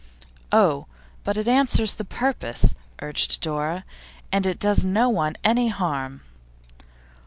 'Oh, but it answers the purpose,' urged Dora, 'and it does no one any harm.